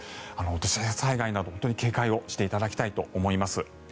土砂災害など警戒していただきたいと思います。